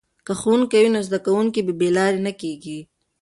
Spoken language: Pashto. که ښوونکی وي نو زده کوونکي بې لارې نه کیږي.